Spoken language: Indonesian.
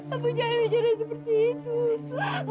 aku jangan bicara seperti itu